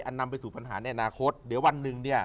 นำไปสู่ปัญหาในอนาคตเดี๋ยววันหนึ่งเนี่ย